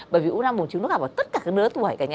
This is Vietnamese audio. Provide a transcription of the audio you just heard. bởi vì u năng bùng trứng nó gặp vào tất cả cái nửa tuổi